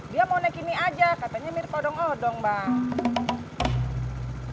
dia mau naik ini aja katanya mirip odong odong bang